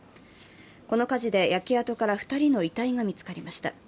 この火事で焼け跡から２人の遺体が見つかりました。